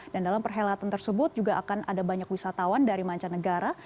dan dalam perhelatan tersebut juga akan ada banyak wisatawan dari manca negara